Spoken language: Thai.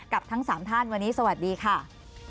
กับทั้งสามท่านวันนี้สวัสดีค่ะ